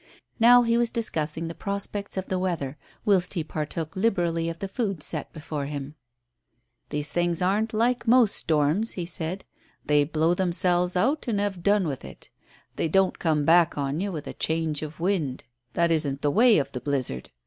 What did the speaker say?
Now he was discussing the prospects of the weather, whilst he partook liberally of the food set before him. "These things aren't like most storms," he said. "They blow themselves out and have done with it. They don't come back on you with a change of wind. That isn't the way of the blizzard.